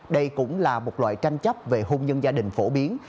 đây cũng là một loại tranh chấp về hôn nhân gia đình phổ biến